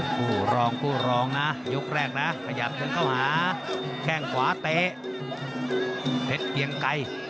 โอ้โหรองผู้รองนะยุคแรกนะขยับขึ้นเข้าหาแข้งขวาเตะเผ็ดเบียงไก่